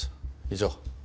以上。